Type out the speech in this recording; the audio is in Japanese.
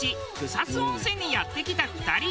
草津温泉にやって来た２人。